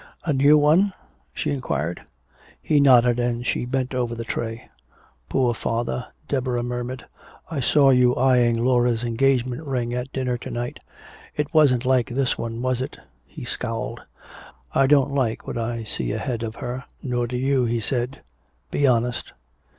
"A new one?" she inquired. He nodded, and she bent over the tray. "Poor father," Deborah murmured. "I saw you eyeing Laura's engagement ring at dinner to night. It wasn't like this one, was it?" He scowled: "I don't like what I see ahead of her. Nor do you," he said. "Be honest."